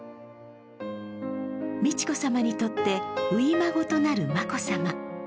美智子さまにとって初孫となる眞子さま。